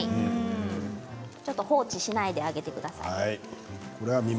放置しないであげてください。